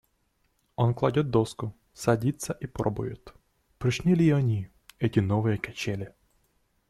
Он кладет доску, садится и пробует, прочны ли они, эти новые качели.